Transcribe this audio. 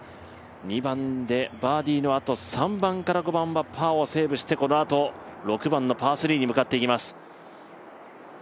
２番でバーディーのあと３番から５番はパーをセーブしてこのあと６番のパー３に向かっていきます。